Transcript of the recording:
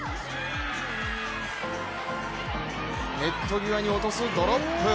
ネット際に落とすドロップ。